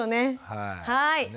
はい。